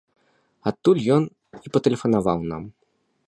Адтуль ён і патэлефанаваў нам.